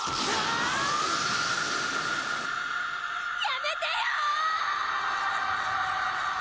「やめてよ！」